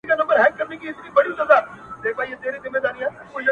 • د ملګري یې سلا خوښه سوه ډېره,